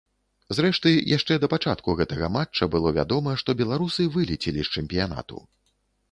Зрэшты, яшчэ да пачатку гэтага матча было вядома, што беларусы вылецелі з чэмпіянату.